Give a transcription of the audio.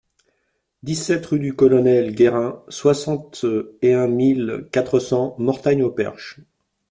dix-sept rue du Colonel Guérin, soixante et un mille quatre cents Mortagne-au-Perche